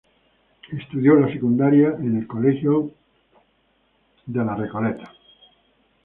Estudió la secundaria en el Colegio Sagrados Corazones Recoleta.